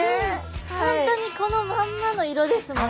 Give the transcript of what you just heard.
本当にこのまんまの色ですもんね。